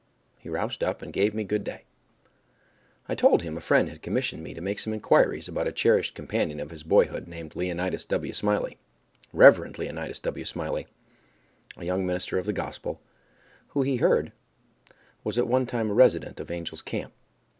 He roused up, and gave me good day. I told him a friend had commissioned me to make some inquiries about a cherished companion of his boyhood named Leonidas W. Smiley—Rev. Leonidas W. Smiley, a young minister of the Gospel, who he had heard was at one time a resident of Angel's Camp.